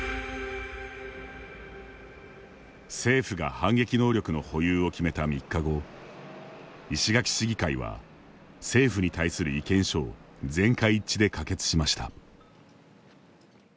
政府が反撃能力の保有を決めた３日後、石垣市議会は政府に対する意見書を全会一致で可決しました。